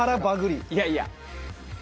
いやいや。